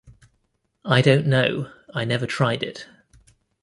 I don't know, I never tried it.